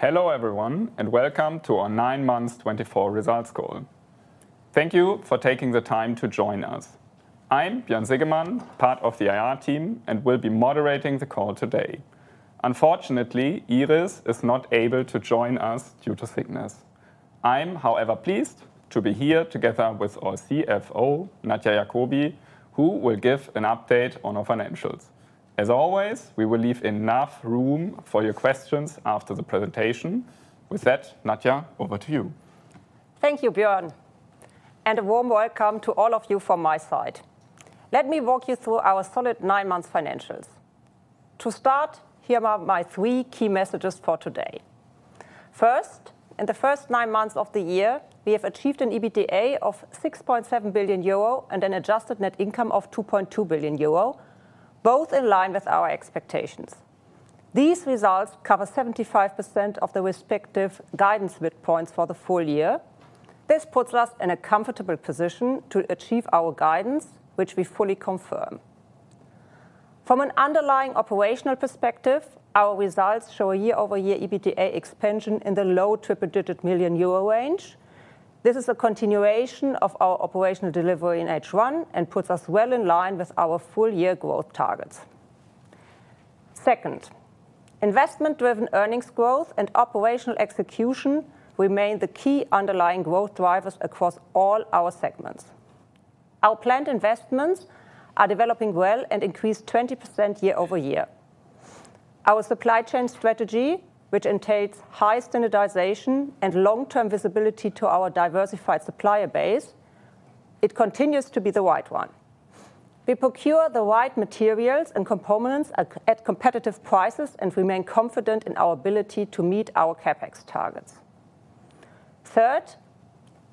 Hello everyone, and welcome to our nine Months 2024 Results Call. Thank you for taking the time to join us. I'm Björn Sigemann, part of the IR team, and will be moderating the call today. Unfortunately, Iris is not able to join us due to sickness. I'm, however, pleased to be here together with our CFO, Nadia Jakobi, who will give an update on our financials. As always, we will leave enough room for your questions after the presentation. With that, Nadia, over to you. Thank you, Björn, and a warm welcome to all of you from my side. Let me walk you through our solid nine months financials. To start, here are my three key messages for today. First, in the first nine months of the year, we have achieved an EBITDA of 6.7 billion euro and an adjusted net income of 2.2 billion euro, both in line with our expectations. These results cover 75% of the respective guidance midpoints for the full year. This puts us in a comfortable position to achieve our guidance, which we fully confirm. From an underlying operational perspective, our results show a year-over-year EBITDA expansion in the low triple-digit million euro range. This is a continuation of our operational delivery in H1 and puts us well in line with our full-year growth targets. Second, investment-driven earnings growth and operational execution remain the key underlying growth drivers across all our segments. Our planned investments are developing well and increased 20% year-over-year. Our supply chain strategy, which entails high standardization and long-term visibility to our diversified supplier base, continues to be the right one. We procure the right materials and components at competitive prices and remain confident in our ability to meet our CapEx targets. Third,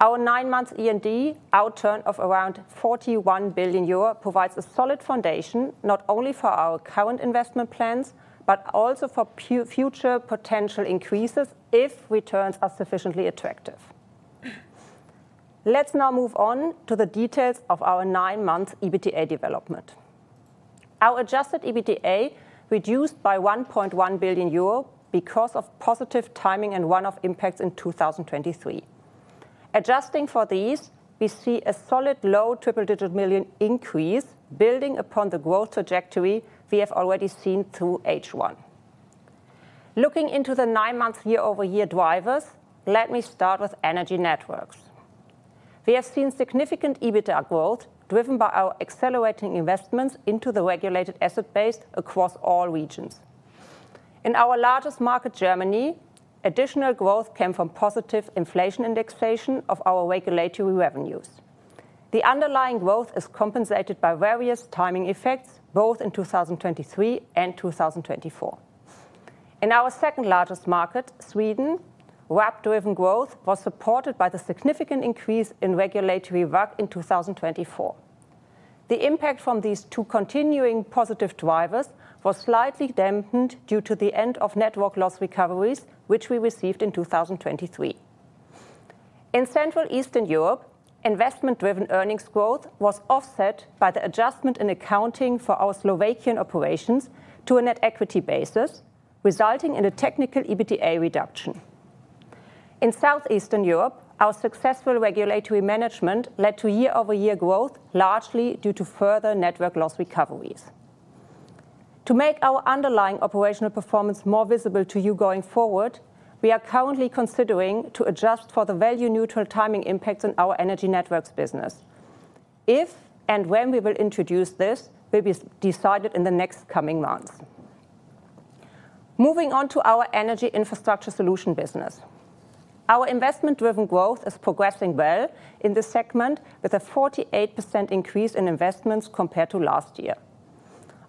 our Nine Months E&D outturn of around 41 billion euro provides a solid foundation not only for our current investment plans but also for future potential increases if returns are sufficiently attractive. Let's now move on to the details of our 9 Months EBITDA development. Our adjusted EBITDA reduced by 1.1 billion euro because of positive timing and run-off impacts in 2023. Adjusting for these, we see a solid low triple-digit million increase building upon the growth trajectory we have already seen through H1. Looking into the Nine Months year-over-year drivers, let me start with energy networks. We have seen significant EBITDA growth driven by our accelerating investments into the regulated asset base across all regions. In our largest market, Germany, additional growth came from positive inflation indexation of our regulatory revenues. The underlying growth is compensated by various timing effects both in 2023 and 2024. In our second-largest market, Sweden, RAB-driven growth was supported by the significant increase in regulatory work in 2024. The impact from these two continuing positive drivers was slightly dampened due to the end of network loss recoveries, which we received in 2023. In Central Eastern Europe, investment-driven earnings growth was offset by the adjustment in accounting for our Slovakian operations to a net equity basis, resulting in a technical EBITDA reduction. In South Eastern Europe, our successful regulatory management led to year-over-year growth, largely due to further network loss recoveries. To make our underlying operational performance more visible to you going forward, we are currently considering adjusting for the value-neutral timing impacts in our energy networks business. If and when we will introduce this will be decided in the next coming months. Moving on to our energy infrastructure solution business. Our investment-driven growth is progressing well in this segment with a 48% increase in investments compared to last year.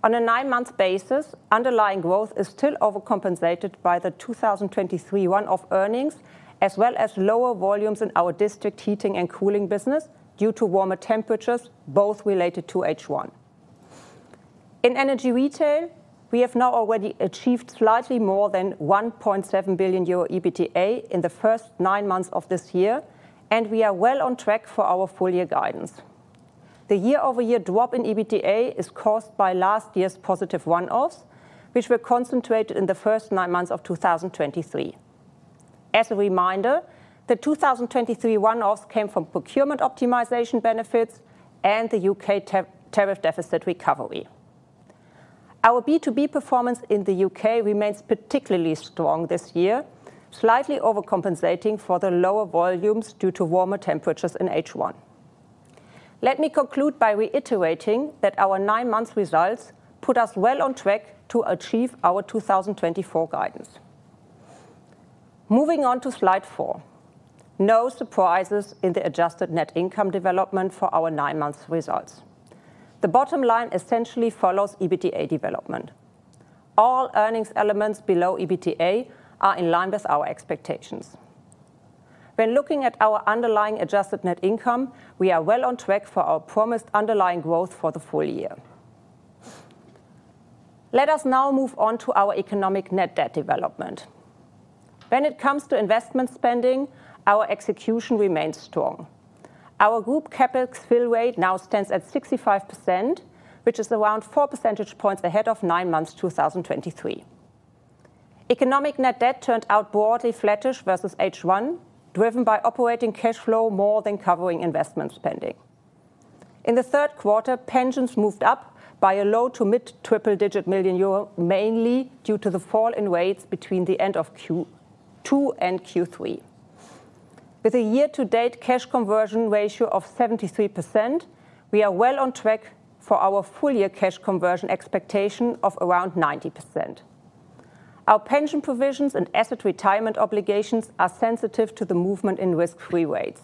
On a nine months basis, underlying growth is still overcompensated by the 2023 run-off earnings, as well as lower volumes in our district heating and cooling business due to warmer temperatures, both related to H1. In energy retail, we have now already achieved slightly more than 1.7 billion euro EBITDA in the first nine months of this year, and we are well on track for our full-year guidance. The year-over-year drop in EBITDA is caused by last year's positive run-offs, which were concentrated in the first nine months of 2023. As a reminder, the 2023 run-offs came from procurement optimization benefits and the U.K. tariff deficit recovery. Our B2B performance in the U.K. remains particularly strong this year, slightly overcompensating for the lower volumes due to warmer temperatures in H1. Let me conclude by reiterating that our nine months results put us well on track to achieve our 2024 guidance. Moving on to Slide four. No surprises in the adjusted net income development for our nine months results. The bottom line essentially follows EBITDA development. All earnings elements below EBITDA are in line with our expectations. When looking at our underlying adjusted net income, we are well on track for our promised underlying growth for the full year. Let us now move on to our Economic Net Debt development. When it comes to investment spending, our execution remains strong. Our group capEx fill rate now stands at 65%, which is around 4 percentage points ahead of nine months 2023. Economic Net Debt turned out broadly flattish versus H1, driven by operating cash flow more than covering investment spending. In the third quarter, pensions moved up by a low to mid triple-digit million EUR, mainly due to the fall in rates between the end of Q2 and Q3. With a year-to-date cash conversion ratio of 73%, we are well on track for our full-year cash conversion expectation of around 90%. Our pension provisions and Asset Retirement Obligations are sensitive to the movement in risk-free rates.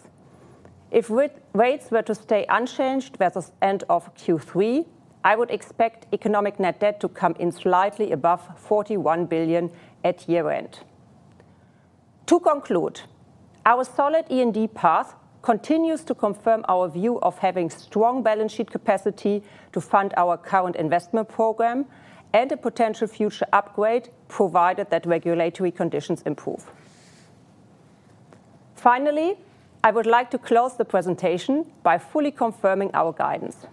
If rates were to stay unchanged versus end of Q3, I would expect economic net debt to come in slightly above 41 billion at year-end. To conclude, our solid E&D path continues to confirm our view of having strong balance sheet capacity to fund our current investment program and a potential future upgrade, provided that regulatory conditions improve. Finally, I would like to close the presentation by fully confirming our guidance.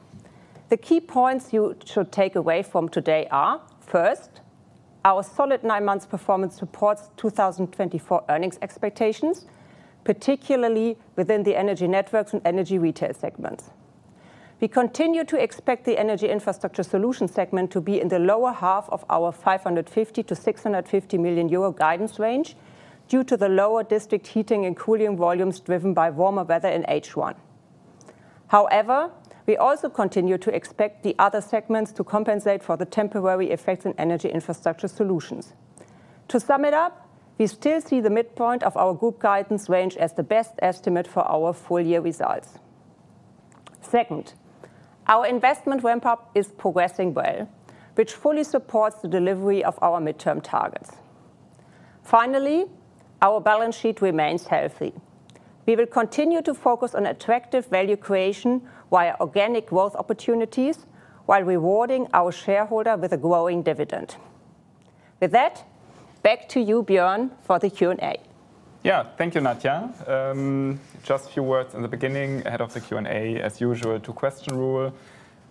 The key points you should take away from today are, first, our solid nine months performance supports 2024 earnings expectations, particularly within the Energy Networks and Energy Retail segments. We continue to expect the Energy Infrastructure Solutions segment to be in the lower half of our 550 million-650 million euro guidance range due to the lower district heating and cooling volumes driven by warmer weather in H1. However, we also continue to expect the other segments to compensate for the temporary effects in Energy Infrastructure Solutions. To sum it up, we still see the midpoint of our group guidance range as the best estimate for our full-year results. Second, our investment ramp-up is progressing well, which fully supports the delivery of our midterm targets. Finally, our balance sheet remains healthy. We will continue to focus on attractive value creation via organic growth opportunities while rewarding our shareholder with a growing dividend. With that, back to you, Björn, for the Q&A. Yeah, thank you, Nadia. Just a few words in the beginning, ahead of the Q&A, as usual, two-question rule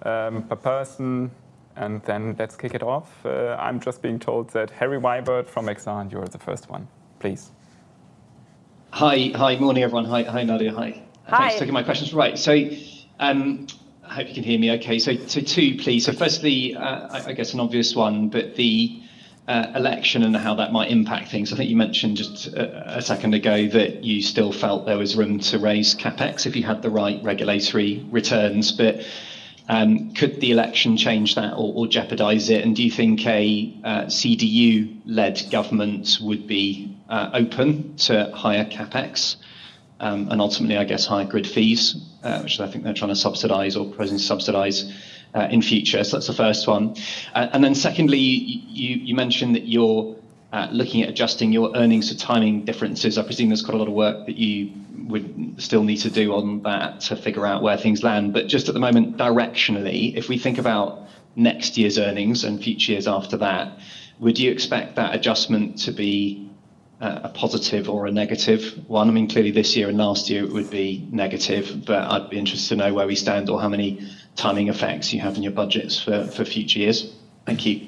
per person, and then let's kick it off. I'm just being told that Harry Wyburd from Exane, you're the first one. Please. Hi, good morning, everyone. Hi, Nadia. Hi. Thanks for taking my questions, right. So I hope you can hear me okay. So, two, please. So firstly, I guess an obvious one, but the election and how that might impact things. I think you mentioned just a second ago that you still felt there was room to raise capEx if you had the right regulatory returns. But could the election change that or jeopardize it? And do you think a CDU-led government would be open to higher capEx and ultimately, I guess, higher grid fees, which I think they're trying to subsidize or proposing to subsidize in future? So that's the first one. And then secondly, you mentioned that you're looking at adjusting your earnings for timing differences. I presume there's quite a lot of work that you would still need to do on that to figure out where things land. But just at the moment, directionally, if we think about next year's earnings and future years after that, would you expect that adjustment to be a positive or a negative one? I mean, clearly, this year and last year it would be negative, but I'd be interested to know where we stand or how many timing effects you have in your budgets for future years. Thank you.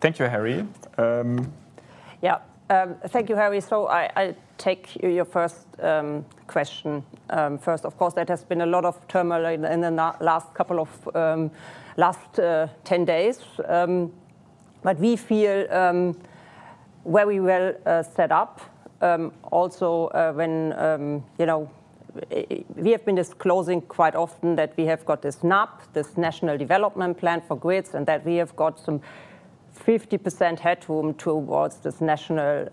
Thank you, Harry. Yeah, thank you, Harry. So I take your first question first. Of course, there has been a lot of turmoil in the last couple of 10 days. But we feel very well set up. Also, we have been disclosing quite often that we have got this NDP, this National Development Plan for grids, and that we have got some 50% headroom towards this national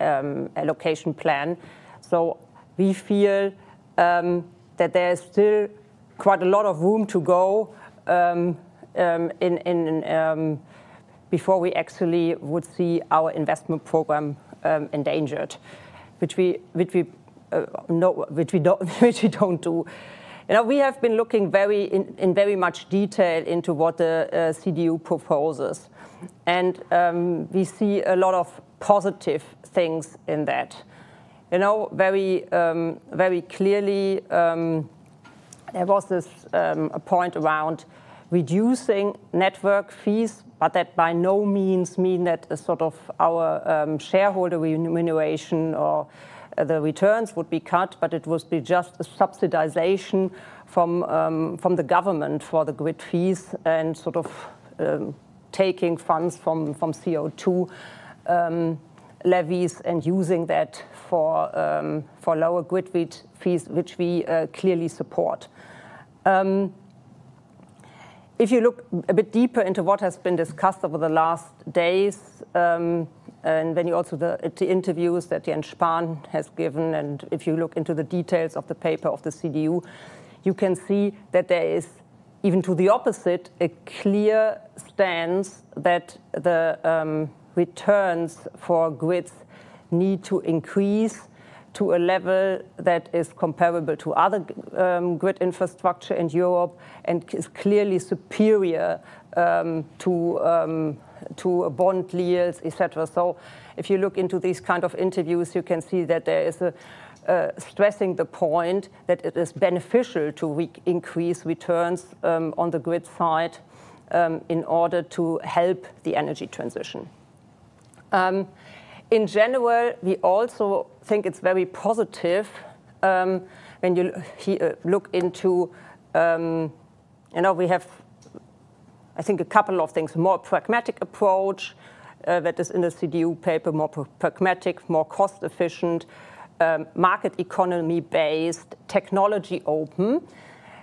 allocation plan. So we feel that there is still quite a lot of room to go before we actually would see our investment program endangered, which we don't do. We have been looking very much in detail into what the CDU proposes, and we see a lot of positive things in that. Very clearly, there was this point around reducing network fees, but that by no means means that sort of our shareholder remuneration or the returns would be cut, but it would be just a subsidization from the government for the grid fees and sort of taking funds from CO2 levies and using that for lower grid fees, which we clearly support. If you look a bit deeper into what has been discussed over the last days, and when you also consider the interviews that the Exane has given, and if you look into the details of the paper of the CDU, you can see that there is, even to the opposite, a clear stance that the returns for grids need to increase to a level that is comparable to other grid infrastructure in Europe and is clearly superior to bond yields, et cetera. So if you look into these kind of interviews, you can see that there is stressing the point that it is beneficial to increase returns on the grid side in order to help the energy transition. In general, we also think it's very positive when you look into we have, I think, a couple of things: a more pragmatic approach that is in the CDU paper, more pragmatic, more cost-efficient, market economy-based, technology open,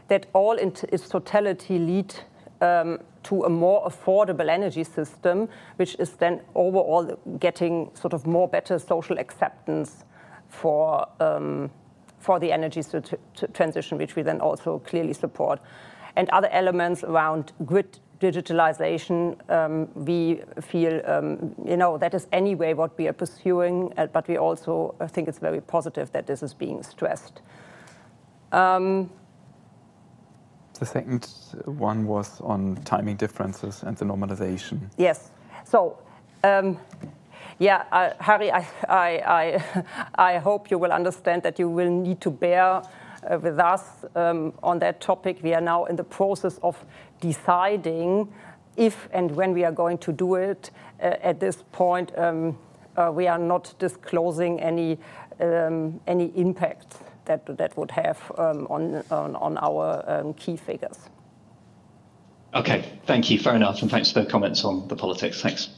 that all in totality lead to a more affordable energy system, which is then overall getting sort of more better social acceptance for the energy transition, which we then also clearly support. And other elements around grid digitalization, we feel that is anyway what we are pursuing, but we also think it's very positive that this is being stressed. The second one was on timing differences and the normalization. Yes. So yeah, Harry, I hope you will understand that you will need to bear with us on that topic. We are now in the process of deciding if and when we are going to do it. At this point, we are not disclosing any impact that would have on our key figures. Okay, thank you very much, and thanks for the comments on the politics. Thanks.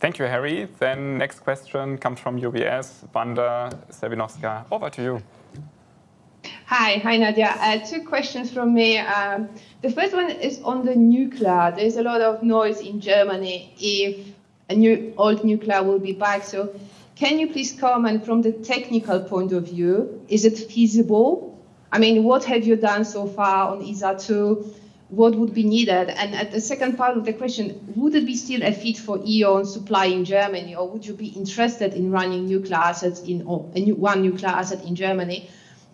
Thank you, Harry. Then next question comes from UBS, Wanda Serwinowska. Over to you. Hi, hi, Nadia. Two questions from me. The first one is on the nuclear. There's a lot of noise in Germany if an old nuclear will be back. So can you please comment from the technical point of view? Is it feasible? I mean, what have you done so far on Isar 2? What would be needed? And the second part of the question, would it be still a fit for E.ON supply in Germany, or would you be interested in running one nuclear asset in Germany?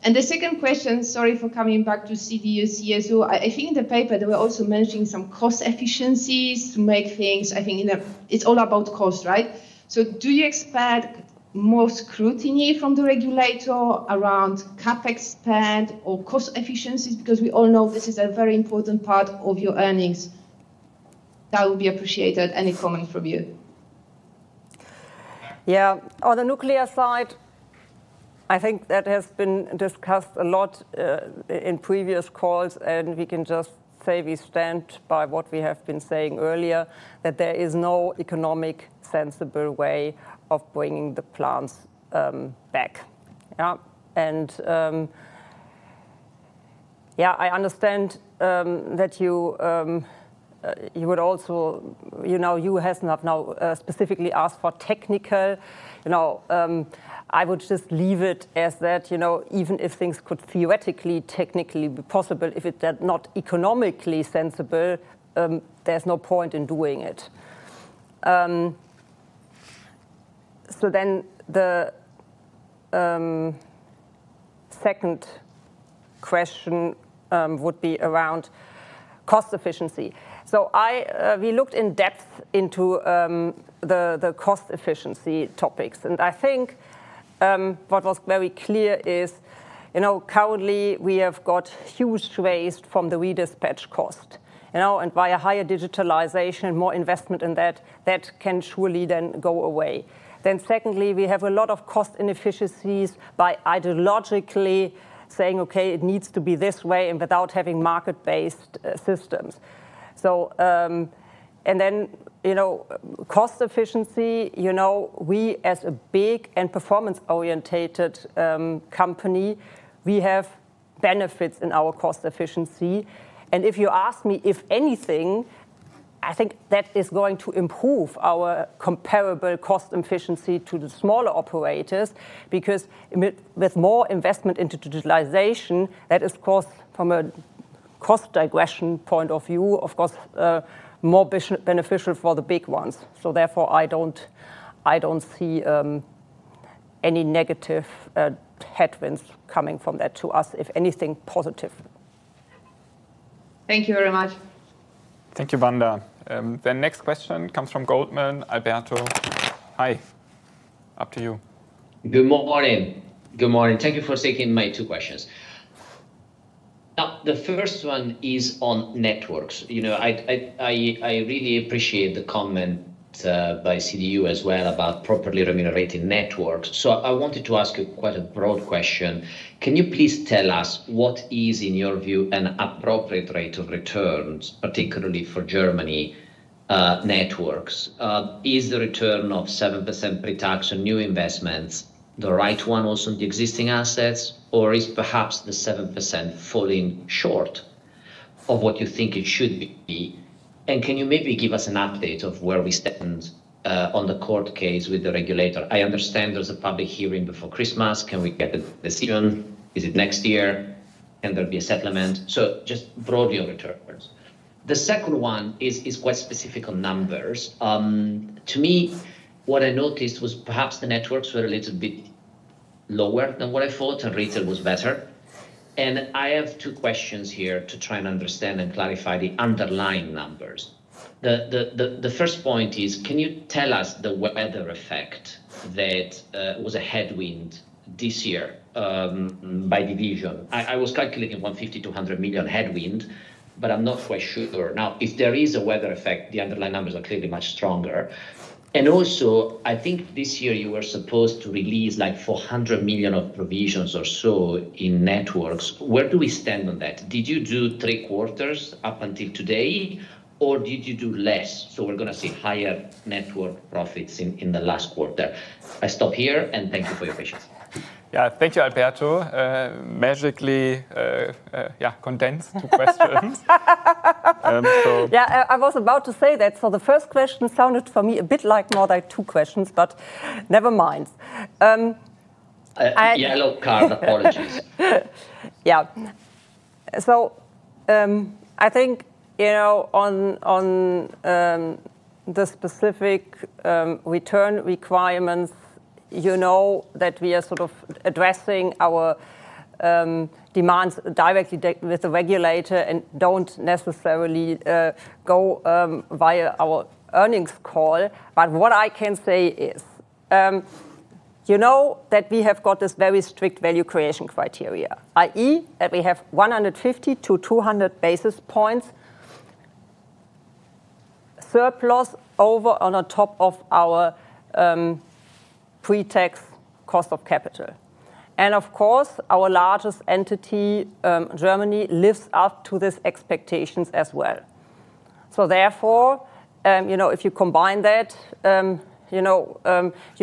And the second question, sorry for coming back to CDU/CSU, I think in the paper they were also mentioning some cost efficiencies to make things. I think it's all about cost, right? So do you expect more scrutiny from the regulator around capEx spend or cost efficiencies? Because we all know this is a very important part of your earnings. That would be appreciated, any comment from you? Yeah, on the nuclear side, I think that has been discussed a lot in previous calls, and we can just say we stand by what we have been saying earlier, that there is no economic sensible way of bringing the plants back. Yeah, and yeah, I understand that you would also. You have not now specifically asked for technical. I would just leave it as that, even if things could theoretically, technically be possible. If it's not economically sensible, there's no point in doing it. So then the second question would be around cost efficiency. So we looked in depth into the cost efficiency topics, and I think what was very clear is currently we have got huge waste from the redispatch cost, and via higher digitalization and more investment in that, that can surely then go away. Then, secondly, we have a lot of cost inefficiencies by ideologically saying, "Okay, it needs to be this way" and without having market-based systems. And then, cost efficiency. We, as a big and performance-oriented company, have benefits in our cost efficiency. And if you ask me, if anything, I think that is going to improve our comparable cost efficiency to the smaller operators, because with more investment into digitalization, that is, of course, from a cost degression point of view, of course, more beneficial for the big ones. So therefore, I don't see any negative headwinds coming from that to us, if anything, positive. Thank you very much. Thank you, Wanda. The next question comes from Goldman Sachs Alberto Gandolfi. Hi, up to you. Good morning. Good morning. Thank you for taking my two questions. Now, the first one is on networks. I really appreciate the comment by CDU as well about properly remunerating networks. So I wanted to ask you quite a broad question. Can you please tell us what is, in your view, an appropriate rate of returns, particularly for Germany networks? Is the return of 7% pretax on new investments the right one also on the existing assets, or is perhaps the 7% falling short of what you think it should be? And can you maybe give us an update of where we stand on the court case with the regulator? I understand there's a public hearing before Christmas. Can we get a decision? Is it next year? Can there be a settlement? So just broadly on returns. The second one is quite specific on numbers. To me, what I noticed was perhaps the networks were a little bit lower than what I thought, and retail was better. And I have two questions here to try and understand and clarify the underlying numbers. The first point is, can you tell us the weather effect that was a headwind this year by division? I was calculating 150 million-200 million headwind, but I'm not quite sure. Now, if there is a weather effect, the underlying numbers are clearly much stronger. And also, I think this year you were supposed to release like 400 million of provisions or so in networks. Where do we stand on that? Did you do three quarters up until today, or did you do less? So we're going to see higher network profits in the last quarter. I stop here, and thank you for your patience. Yeah, thank you, Alberto. Magically, yeah, condensed to questions. Yeah, I was about to say that. So the first question sounded for me a bit like more like two questions, but never mind. Yeah, hello, Carl. Apologies. Yeah. So I think on the specific return requirements, you know that we are sort of addressing our demands directly with the regulator and don't necessarily go via our earnings call. But what I can say is that we have got this very strict value creation criteria, i.e., that we have 150-200 basis points surplus over on the top of our pretax cost of capital. And of course, our largest entity, Germany, lives up to these expectations as well. So therefore, if you combine that, you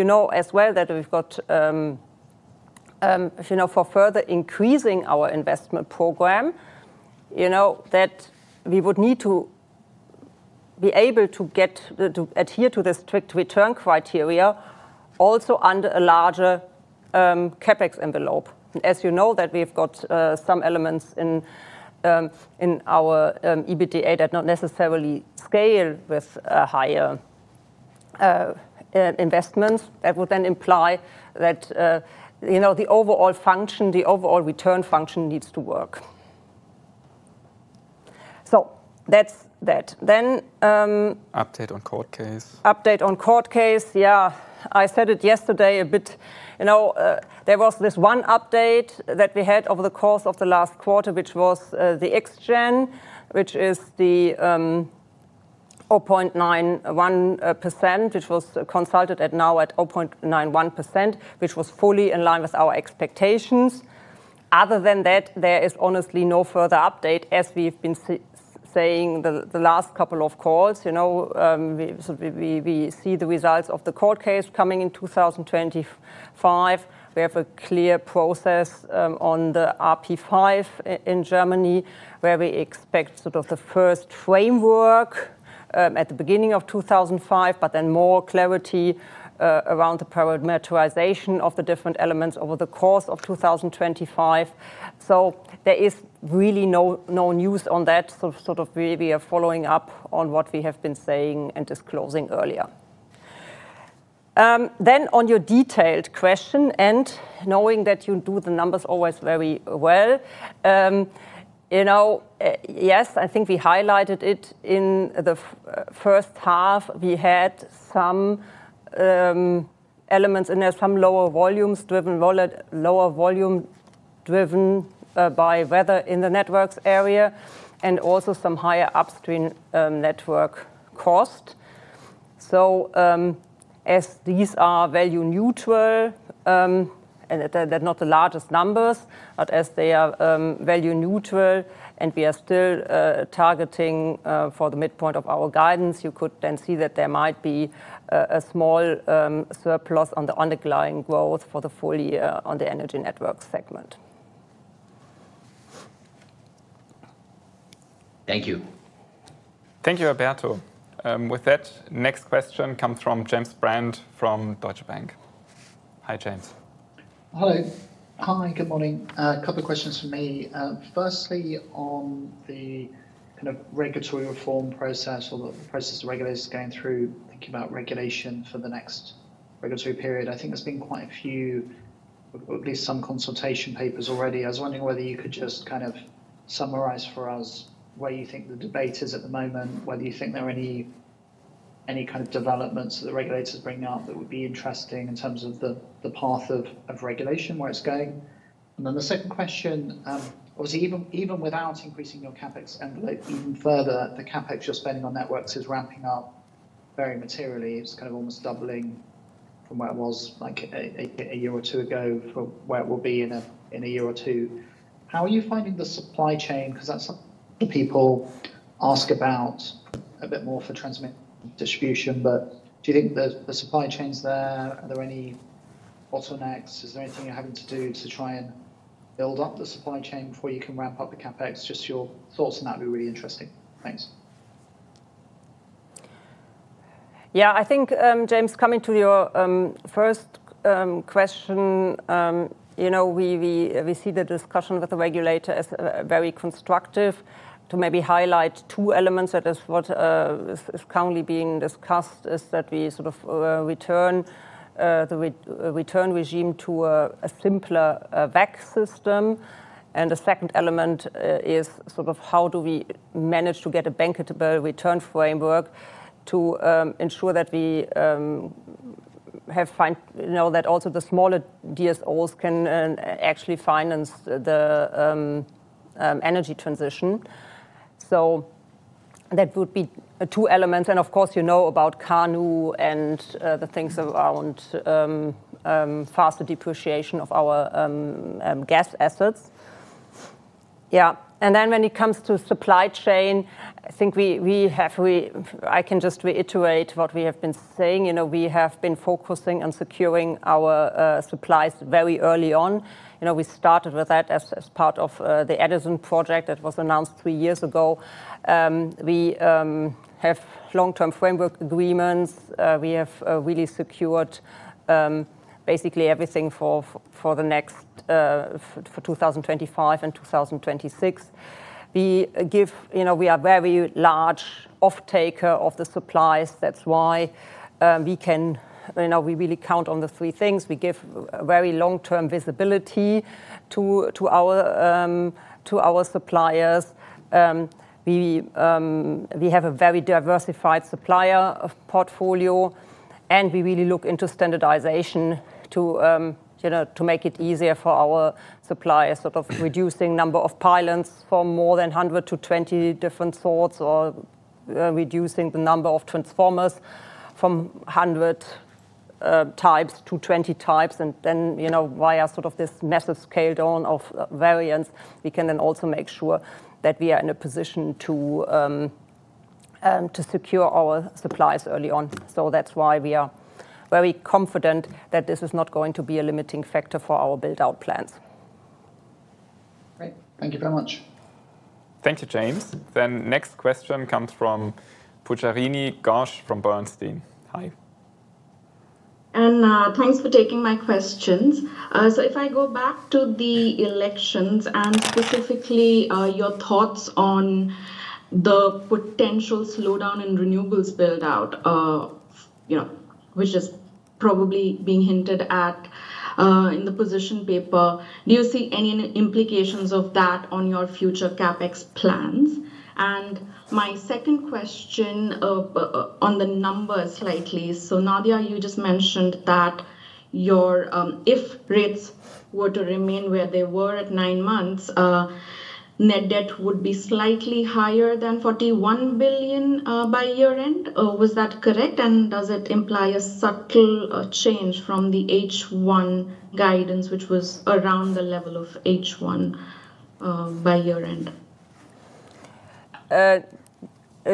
know as well that we've got for further increasing our investment program, that we would need to be able to adhere to the strict return criteria also under a larger capEx envelope. As you know, that we've got some elements in our EBITDA that don't necessarily scale with higher investments. That would then imply that the overall function, the overall return function needs to work. So that's that. Then. Update on court case. Update on court case. Yeah, I said it yesterday a bit. There was this one update that we had over the course of the last quarter, which was the X-gen, which is the 0.91%, which was consulted at now at 0.91%, which was fully in line with our expectations. Other than that, there is honestly no further update, as we've been saying the last couple of calls. We see the results of the court case coming in 2025. We have a clear process on the RP5 in Germany, where we expect sort of the first framework at the beginning of 2025, but then more clarity around the parameterization of the different elements over the course of 2025. So there is really no news on that, so sort of we are following up on what we have been saying and disclosing earlier. Then on your detailed question, and knowing that you do the numbers always very well, yes, I think we highlighted it in the first half. We had some elements in there, some lower volume driven by weather in the networks area, and also some higher upstream network cost. So as these are value neutral, and they're not the largest numbers, but as they are value neutral, and we are still targeting for the midpoint of our guidance, you could then see that there might be a small surplus on the underlying growth for the full year on the Energy Networks segment. Thank you. Thank you, Alberto. With that, next question comes from James Brand from Deutsche Bank. Hi, James. Hi. Hi, good morning. A couple of questions for me. Firstly, on the kind of regulatory reform process or the process the regulators are going through, thinking about regulation for the next regulatory period, I think there's been quite a few, at least some consultation papers already. I was wondering whether you could just kind of summarize for us where you think the debate is at the moment, whether you think there are any kind of developments that the regulators bring up that would be interesting in terms of the path of regulation, where it's going. And then the second question, obviously, even without increasing your capEx envelope even further, the capEx you're spending on networks is ramping up very materially. It's kind of almost doubling from where it was like a year or two ago from where it will be in a year or two. How are you finding the supply chain? Because that's something people ask about a bit more for transmission distribution, but do you think the supply chain's there? Are there any bottlenecks? Is there anything you're having to do to try and build up the supply chain before you can ramp up the capEx? Just your thoughts on that would be really interesting. Thanks. Yeah, I think, James, coming to your first question, we see the discussion with the regulator as very constructive, to maybe highlight two elements. That is what is currently being discussed: is that we sort of return the return regime to a simpler WACC system. And the second element is sort of how do we manage to get a bankable return framework to ensure that we have that also the smaller DSOs can actually finance the energy transition. So that would be two elements. And of course, you know about KANU and the things around faster depreciation of our gas assets. Yeah. And then when it comes to supply chain, I think we have. I can just reiterate what we have been saying. We have been focusing on securing our supplies very early on. We started with that as part of the Edison project that was announced three years ago. We have long-term framework agreements. We have really secured basically everything for the next for 2025 and 2026. We are a very large off-taker of the supplies. That's why we can really count on the three things. We give very long-term visibility to our suppliers. We have a very diversified supplier portfolio, and we really look into standardization to make it easier for our suppliers, sort of reducing number of pilots from more than 100 to 20 different sorts or reducing the number of transformers from 100 types to 20 types. And then via sort of this massive scale down of variants, we can then also make sure that we are in a position to secure our supplies early on. So that's why we are very confident that this is not going to be a limiting factor for our build-out plans. Great. Thank you very much. Thank you, James. Then next question comes from Pujarini Ghosh from Bernstein. Hi. Thanks for taking my questions. If I go back to the elections and specifically your thoughts on the potential slowdown in renewables build-out, which is probably being hinted at in the position paper, do you see any implications of that on your future capEx plans? My second question on the numbers slightly. Nadia, you just mentioned that if rates were to remain where they were at nine months, net debt would be slightly higher than 41 billion by year-end. Was that correct? Does it imply a subtle change from the H1 guidance, which was around the level of H1 by year-end?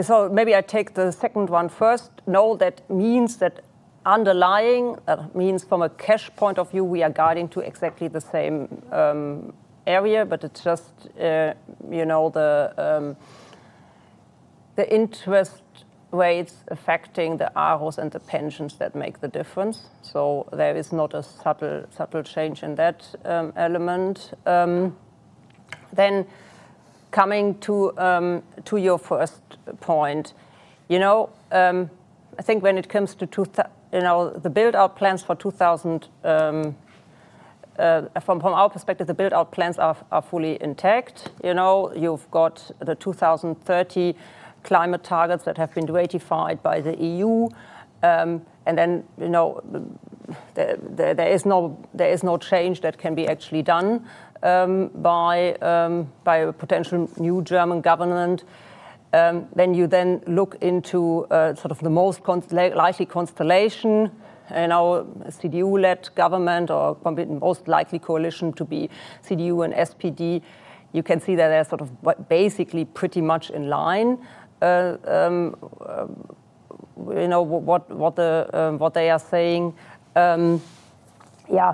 So maybe I take the second one first. No, that means that underlying, that means from a cash point of view, we are guiding to exactly the same area, but it's just the interest rates affecting the AROs and the pensions that make the difference. So there is not a subtle change in that element. Then coming to your first point, I think when it comes to the build-out plans for 2030, from our perspective, the build-out plans are fully intact. You've got the 2030 climate targets that have been ratified by the EU. And then there is no change that can be actually done by a potential new German government. Then you then look into sort of the most likely constellation, CDU-led government or most likely coalition to be CDU and SPD. You can see that they're sort of basically pretty much in line with what they are saying. Yeah.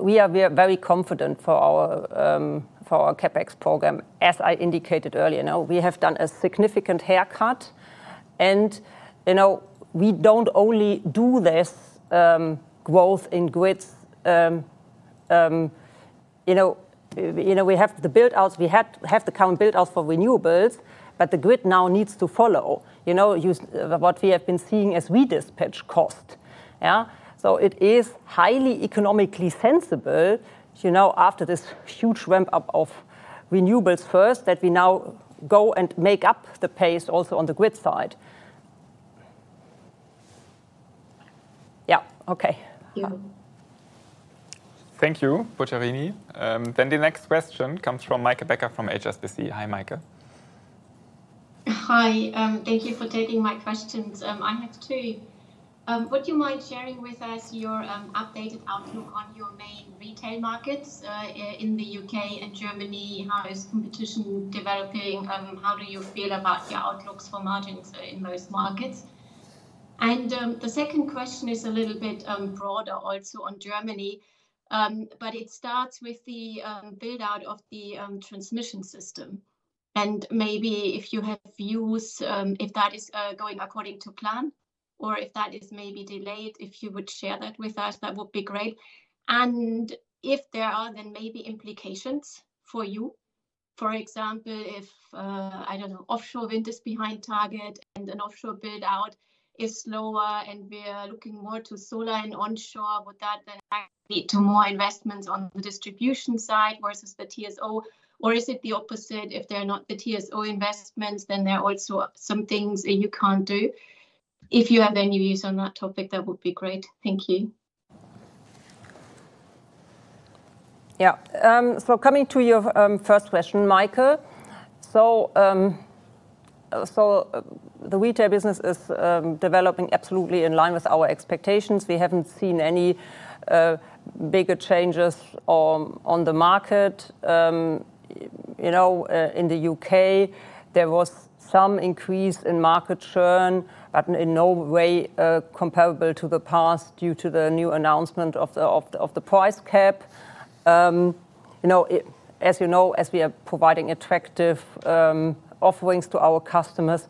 We are very confident for our capEx program. As I indicated earlier, we have done a significant haircut. And we don't only do this growth in grids. We have the build-outs. We have the current build-outs for renewables, but the grid now needs to follow what we have been seeing as redispatch costs. Yeah. So it is highly economically sensible after this huge ramp-up of renewables first that we now go and make up the pace also on the grid side. Yeah. Okay. Thank you, Pujarini. Then the next question comes from Meike Becker from HSBC. Hi, Michael. Hi. Thank you for taking my questions. I have two. Would you mind sharing with us your updated outlook on your main retail markets in the U.K. and Germany? How is competition developing? How do you feel about your outlooks for margins in those markets? And the second question is a little bit broader also on Germany, but it starts with the build-out of the transmission system. And maybe if you have views if that is going according to plan or if that is maybe delayed, if you would share that with us, that would be great. And if there are then maybe implications for you. For example, if, I don't know, offshore wind is behind target and an offshore build-out is slower and we are looking more to solar and onshore, would that then lead to more investments on the distribution side versus the TSO? Or is it the opposite? If they're not the TSO investments, then there are also some things you can't do. If you have any views on that topic, that would be great. Thank you. Yeah. So coming to your first question, Meike, so the retail business is developing absolutely in line with our expectations. We haven't seen any bigger changes on the market. In the U.K., there was some increase in market churn, but in no way comparable to the past due to the new announcement of the price cap. As you know, as we are providing attractive offerings to our customers,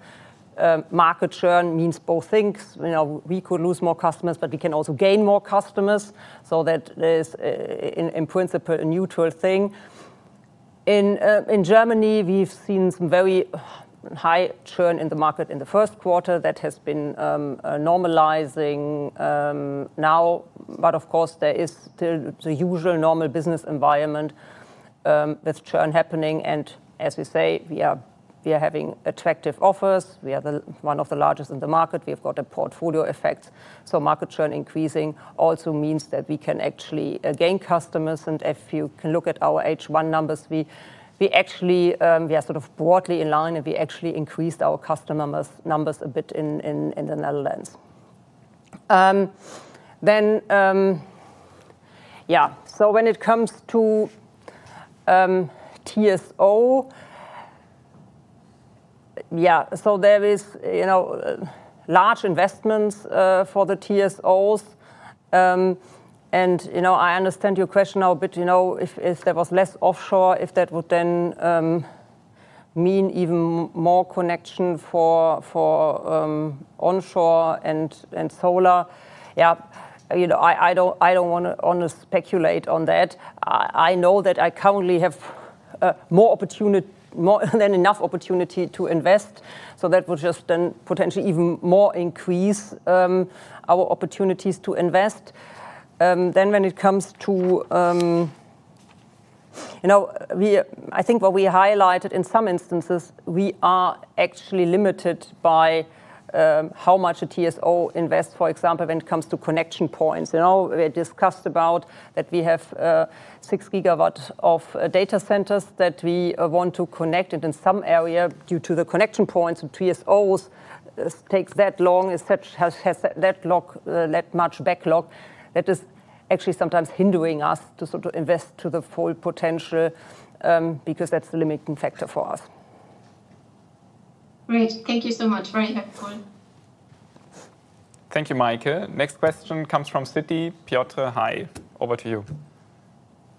market churn means both things. We could lose more customers, but we can also gain more customers. So that is, in principle, a neutral thing. In Germany, we've seen some very high churn in the market in the first quarter that has been normalizing now. But of course, there is still the usual normal business environment with churn happening. And as we say, we are having attractive offers. We are one of the largest in the market. We've got a portfolio effect. So market churn increasing also means that we can actually gain customers. And if you can look at our H1 numbers, we actually are sort of broadly in line and we actually increased our customer numbers a bit in the Netherlands. Then, yeah. So when it comes to TSO, yeah, so there is large investments for the TSOs. And I understand your question now, but if there was less offshore, if that would then mean even more connection for onshore and solar. Yeah. I don't want to speculate on that. I know that I currently have more than enough opportunity to invest. So that would just then potentially even more increase our opportunities to invest. Then when it comes to, I think what we highlighted in some instances, we are actually limited by how much a TSO invests, for example, when it comes to connection points. We discussed about that we have six gigawatts of data centers that we want to connect. And in some area, due to the connection points, TSOs take that long, has that much backlog that is actually sometimes hindering us to sort of invest to the full potential because that's the limiting factor for us. Great. Thank you so much. Very helpful. Thank you, Michael. Next question comes from Citi. Piotr, hi. Over to you.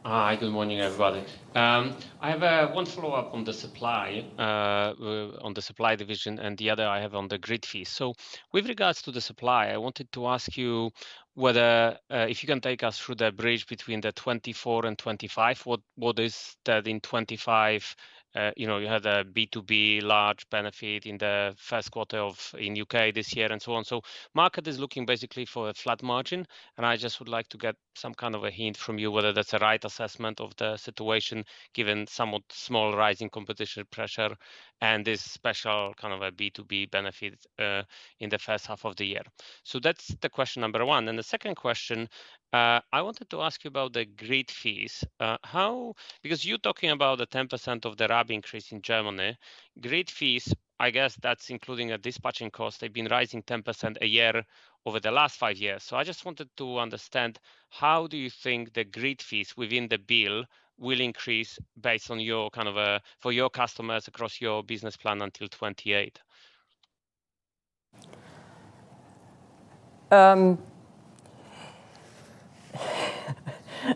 Hi. Good morning, everybody. I have one follow-up on the supply, on the supply division, and the other I have on the grid fee. So with regards to the supply, I wanted to ask you whether if you can take us through the bridge between the 2024 and 2025, what is that in 2025? You had a B2B large benefit in the first quarter in the U.K. this year and so on. So the market is looking basically for a flat margin. And I just would like to get some kind of a hint from you whether that's a right assessment of the situation given somewhat small rising competition pressure and this special kind of a B2B benefit in the first half of the year. So that's the question number one. And the second question, I wanted to ask you about the grid fees. Because you're talking about the 10% of the RAB increase in Germany, grid fees, I guess that's including a redispatch cost, they've been rising 10% a year over the last five years. So I just wanted to understand how do you think the grid fees within the bill will increase based on your kind of for your customers across your business plan until 28?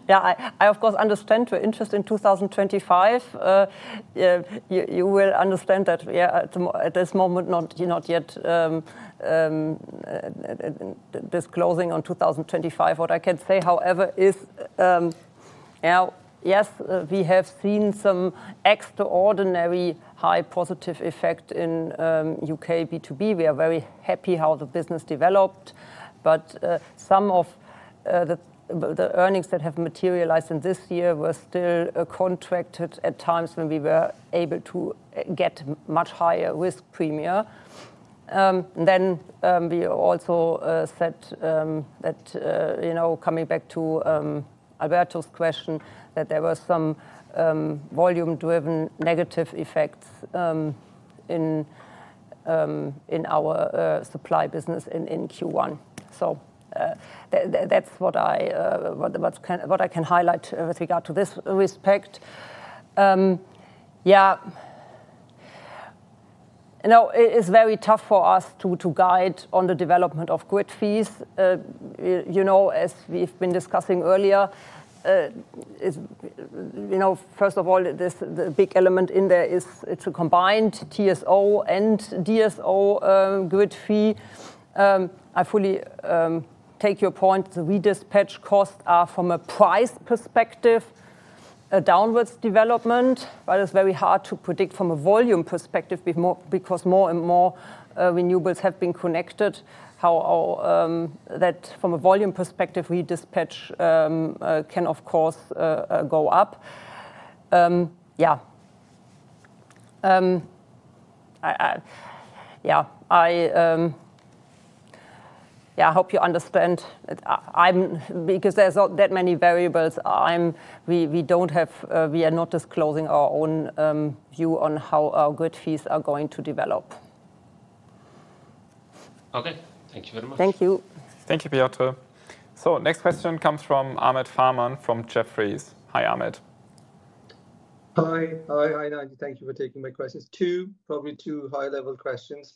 Yeah. I, of course, understand your interest in 2025. You will understand that at this moment, not yet disclosing on 2025. What I can say. However, yes, we have seen some extraordinary high positive effect in U.K. B2B. We are very happy how the business developed. But some of the earnings that have materialized in this year were still contracted at times when we were able to get much higher risk premia. Then we also said that coming back to Alberto's question, that there were some volume-driven negative effects in our supply business in Q1. So that's what I can highlight with regard to this respect. Yeah. It is very tough for us to guide on the development of grid fees. As we've been discussing earlier, first of all, the big element in there is it's a combined TSO and DSO grid fee. I fully take your point. The redispatch costs are from a price perspective a downward development, but it's very hard to predict from a volume perspective because more and more renewables have been connected. How that from a volume perspective, redispatch can, of course, go up. Yeah. Yeah. Yeah. I hope you understand. Because there's not that many variables. We are not disclosing our own view on how our grid fees are going to develop. Okay. Thank you very much. Thank you. Thank you, Piotr. So next question comes from Ahmed Farman from Jefferies. Hi, Ahmed. Hi. Hi, Nadia. Thank you for taking my questions. Two, probably two high-level questions.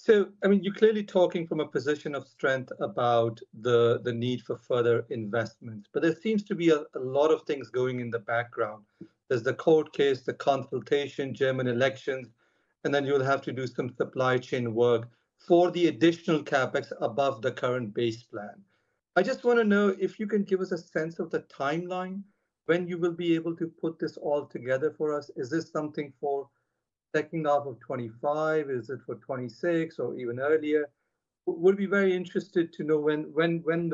So I mean, you're clearly talking from a position of strength about the need for further investments. But there seems to be a lot of things going on in the background. There's the court case, the consultation, German elections, and then you'll have to do some supply chain work for the additional capEx above the current base plan. I just want to know if you can give us a sense of the timeline when you will be able to put this all together for us. Is this something for the second half of 2025? Is it for 2026 or even earlier? We'd be very interested to know when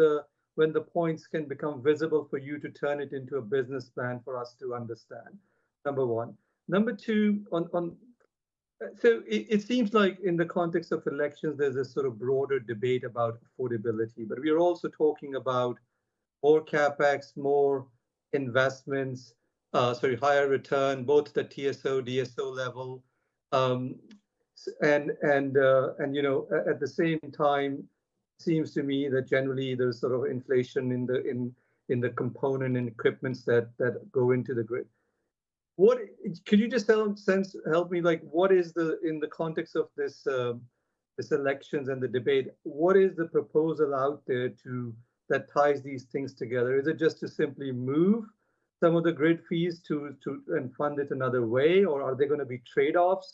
the points can become visible for you to turn it into a business plan for us to understand, number one. Number two, so it seems like in the context of elections, there's a sort of broader debate about affordability. But we are also talking about more capEx, more investments, sorry, higher return, both the TSO, DSO level. And at the same time, it seems to me that generally there's sort of inflation in the components and equipment that go into the grid. Could you just help me? What is the, in the context of this elections and the debate, what is the proposal out there that ties these things together? Is it just to simply move some of the grid fees and fund it another way, or are there going to be trade-offs?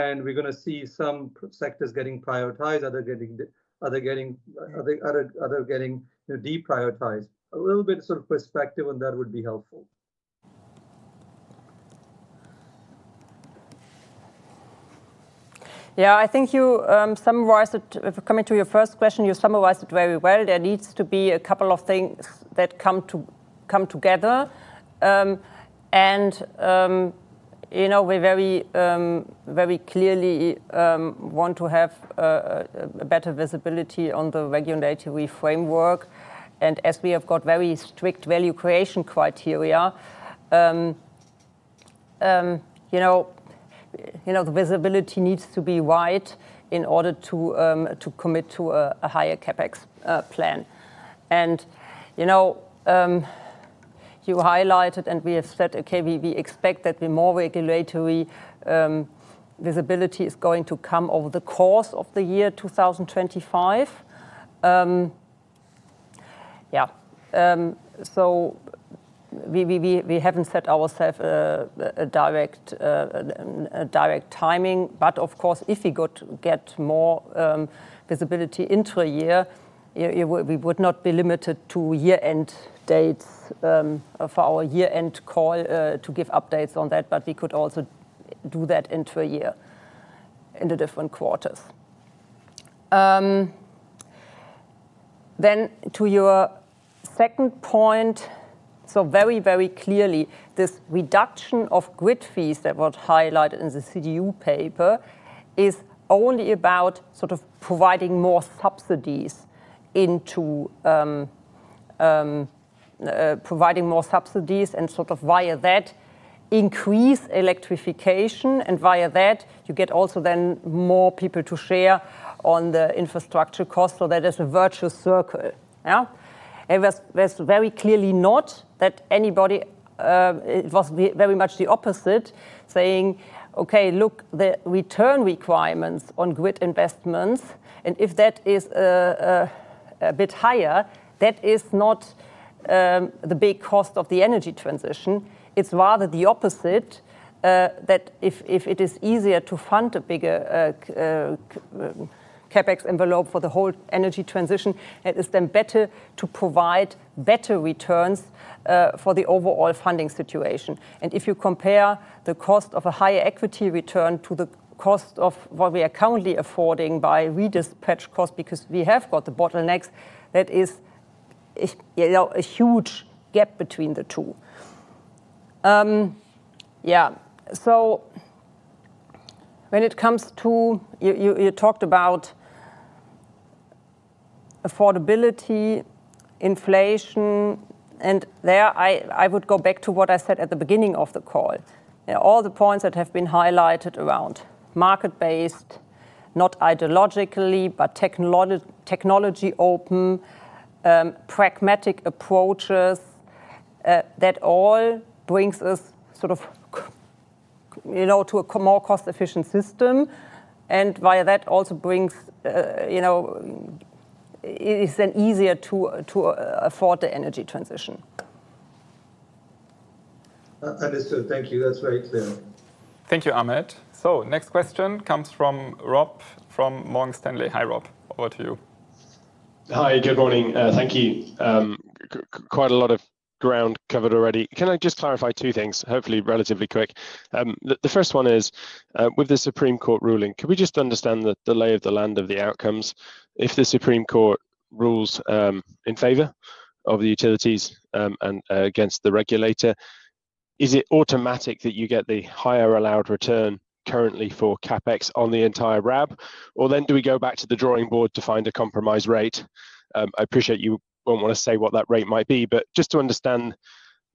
And we're going to see some sectors getting prioritized, others getting deprioritized. A little bit of sort of perspective on that would be helpful. Yeah. I think you summarized it. Coming to your first question, you summarized it very well. There needs to be a couple of things that come together, and we very clearly want to have a better visibility on the regulatory framework. As we have got very strict value creation criteria, the visibility needs to be wide in order to commit to a higher capEx plan. You highlighted and we have said, okay, we expect that more regulatory visibility is going to come over the course of the year 2025. Yeah, so we haven't set ourselves a direct timing, but of course, if we could get more visibility in a year, we would not be limited to year-end dates for our year-end call to give updates on that, but we could also do that in a year in the different quarters. Then to your second point, so very, very clearly, this reduction of grid fees that was highlighted in the CDU paper is only about sort of providing more subsidies into providing more subsidies and sort of via that increase electrification. And via that, you get also then more people to share on the infrastructure cost. So that is a virtuous circle. It was very clearly not that anybody was very much the opposite, saying, okay, look, the return requirements on grid investments, and if that is a bit higher, that is not the big cost of the energy transition. It's rather the opposite, that if it is easier to fund a bigger capEx envelope for the whole energy transition, it is then better to provide better returns for the overall funding situation. And if you compare the cost of a higher equity return to the cost of what we are currently affording by redispatch cost, because we have got the bottlenecks, that is a huge gap between the two. Yeah. So when it comes to you talked about affordability, inflation, and there I would go back to what I said at the beginning of the call. All the points that have been highlighted around market-based, not ideologically, but technology open, pragmatic approaches, that all brings us sort of to a more cost-efficient system. And via that also brings it is then easier to afford the energy transition. Understood. Thank you. That's very clear. Thank you, Ahmed. So next question comes from Rob from Morgan Stanley. Hi, Rob. Over to you. Hi. Good morning. Thank you. Quite a lot of ground covered already. Can I just clarify two things, hopefully relatively quick? The first one is, with the Supreme Court ruling, could we just understand the lay of the land of the outcomes? If the Supreme Court rules in favor of the utilities and against the regulator, is it automatic that you get the higher allowed return currently for capEx on the entire RAB? Or then do we go back to the drawing board to find a compromise rate? I appreciate you won't want to say what that rate might be, but just to understand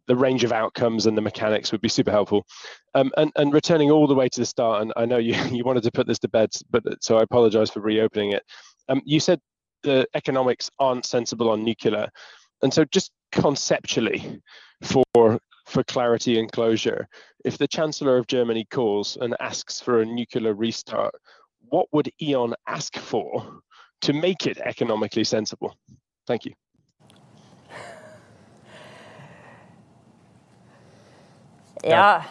the range of outcomes and the mechanics would be super helpful. And returning all the way to the start, and I know you wanted to put this to bed, so I apologize for reopening it. You said the economics aren't sensible on nuclear. And so just conceptually, for clarity and closure, if the Chancellor of Germany calls and asks for a nuclear restart, what would E.ON ask for to make it economically sensible? Thank you. Yeah.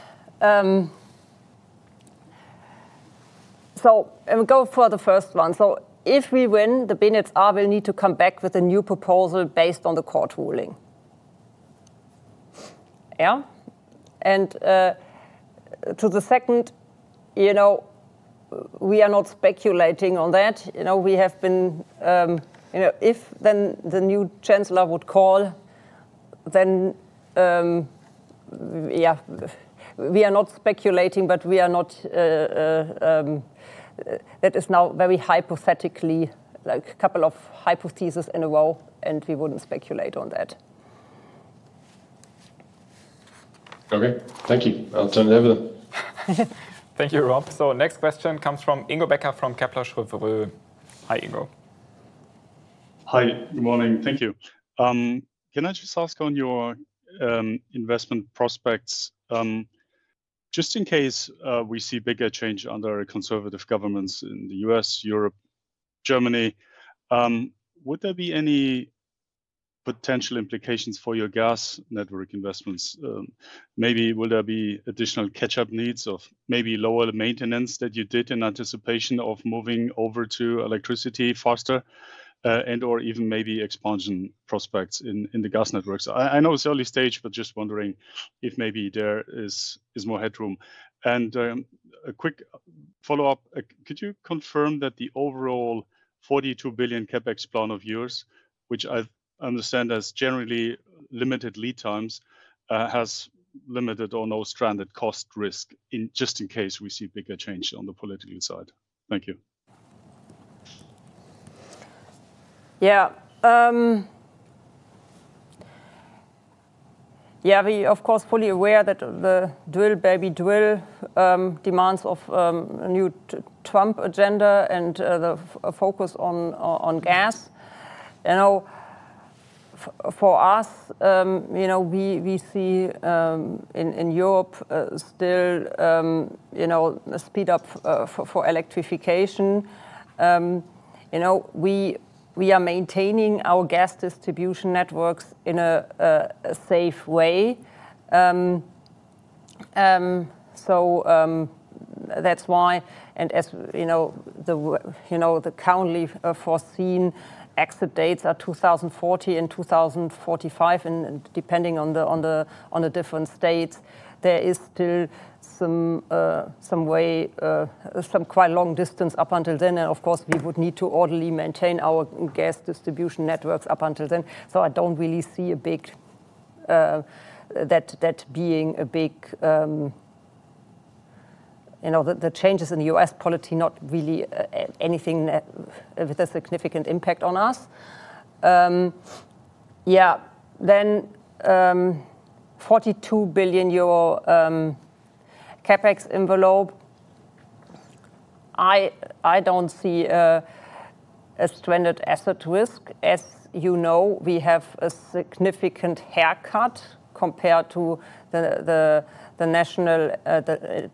So I'll go for the first one. So if we win, the BNetzA will need to come back with a new proposal based on the court ruling. Yeah. And to the second, we are not speculating on that. We have been if then the new Chancellor would call, then yeah, we are not speculating, but we are not that is now very hypothetically, like a couple of hypotheses in a row, and we wouldn't speculate on that. Okay. Thank you. I'll turn it over then. Thank you, Rob. So next question comes from Ingo Becker from Kepler Cheuvreux. Hi, Ingo. Hi. Good morning. Thank you. Can I just ask on your investment prospects? Just in case we see bigger change under conservative governments in the U.S., Europe, Germany, would there be any potential implications for your gas network investments? Maybe will there be additional catch-up needs of maybe lower maintenance that you did in anticipation of moving over to electricity faster and/or even maybe expansion prospects in the gas networks? I know it's early stage, but just wondering if maybe there is more headroom. And a quick follow-up. Could you confirm that the overall 42 billion capEx plan of yours, which I understand has generally limited lead times, has limited or no stranded cost risk just in case we see bigger change on the political side? Thank you. Yeah. Yeah. We are, of course, fully aware that the drill, baby drill demands of a new Trump agenda and the focus on gas. For us, we see in Europe still a speed-up for electrification. We are maintaining our gas distribution networks in a safe way. So that's why. As the currently foreseen exit dates are 2040 and 2045, and depending on the different states, there is still some way, some quite long distance up until then. Of course, we would need to orderly maintain our gas distribution networks up until then. I don't really see that being a big [deal from] the changes in the U.S. policy. Not really anything with a significant impact on us. Yeah. Then 42 billion euro capEx envelope, I don't see a stranded asset risk. As you know, we have a significant haircut compared to the national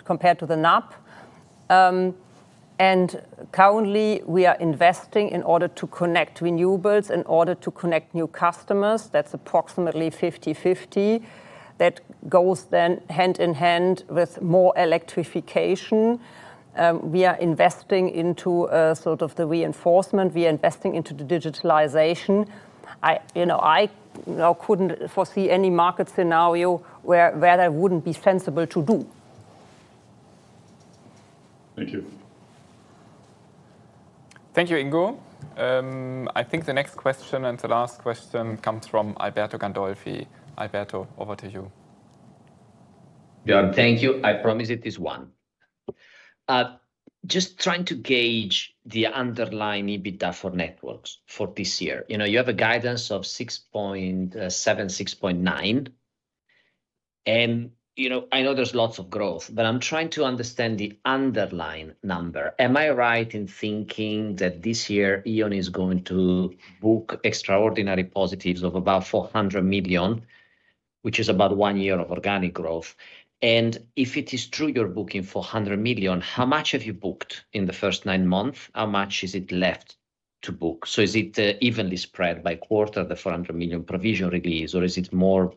NEP. Currently, we are investing in order to connect renewables, in order to connect new customers. That's approximately 50/50. That goes then hand in hand with more electrification. We are investing into sort of the reinforcement. We are investing into the digitalization. I couldn't foresee any market scenario where that wouldn't be sensible to do. Thank you. Thank you, Ingo. I think the next question and the last question comes from Alberto Gandolfi. Alberto, over to you. Yeah. Thank you. I promise it is one. Just trying to gauge the underlying EBITDA for networks for this year. You have a guidance of 6.7-6.9. And I know there's lots of growth, but I'm trying to understand the underlying number. Am I right in thinking that this year E.ON is going to book extraordinary positives of about 400 million, which is about one year of organic growth? And if it is true you're booking 400 million, how much have you booked in the first nine months? How much is it left to book? So is it evenly spread by quarter, the 400 million provision release, or is it more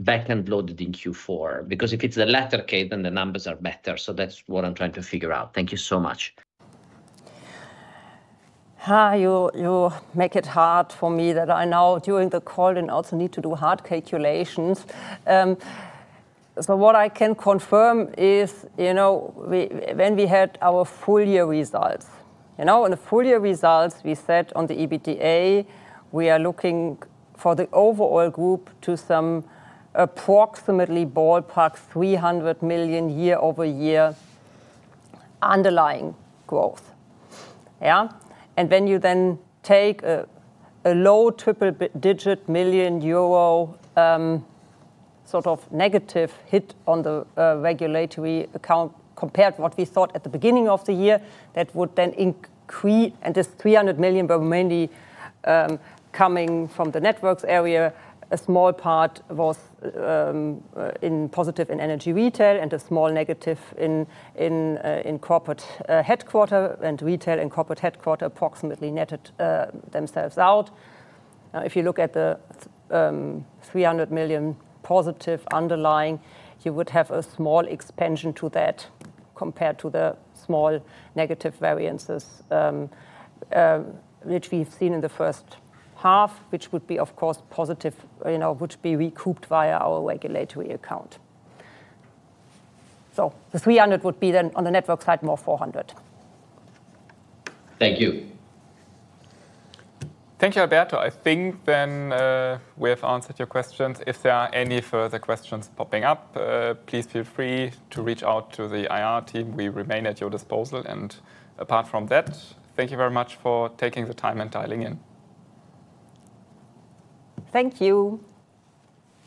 back-end loaded in Q4? Because if it's the latter, then the numbers are better. So that's what I'm trying to figure out. Thank you so much. Hi. You make it hard for me that I now during the call and also need to do hard calculations. So what I can confirm is when we had our full year results. In the full year results, we said on the EBITDA, we are looking for the overall group to some approximately ballpark 300 million year-over-year underlying growth. Yeah. And when you then take a low triple-digit million EURO sort of negative hit on the regulatory account compared to what we thought at the beginning of the year, that would then increase. And this 300 million were mainly coming from the networks area. A small part was in positive in energy retail and a small negative in corporate headquarters. And retail and corporate headquarters approximately netted themselves out. If you look at the 300 million positive underlying, you would have a small expansion to that compared to the small negative variances which we've seen in the first half, which would be, of course, positive, which would be recouped via our regulatory account. So the 300 would be then on the network side, more 400. Thank you. Thank you, Alberto. I think then we have answered your questions. If there are any further questions popping up, please feel free to reach out to the IR team. We remain at your disposal, and apart from that, thank you very much for taking the time and dialing in. Thank you.